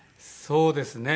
そうですね